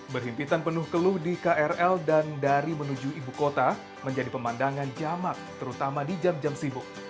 berhimpitan penuh keluh di krl dan dari menuju ibu kota menjadi pemandangan jamak terutama di jam jam sibuk